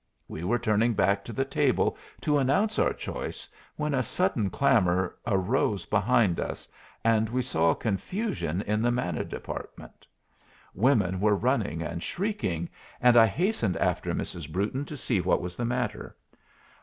We were turning back to the table to announce our choice when a sudden clamor arose behind us, and we saw confusion in the Manna Department. Women were running and shrieking, and I hastened after Mrs. Brewton to see what was the matter.